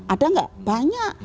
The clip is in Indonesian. ada nggak banyak